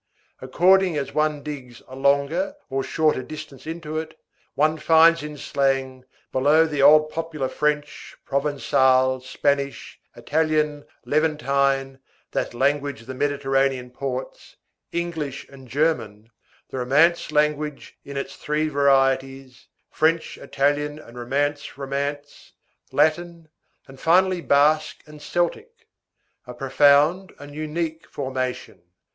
According as one digs a longer or shorter distance into it, one finds in slang, below the old popular French, Provençal, Spanish, Italian, Levantine, that language of the Mediterranean ports, English and German, the Romance language in its three varieties, French, Italian, and Romance Romance, Latin, and finally Basque and Celtic. A profound and unique formation.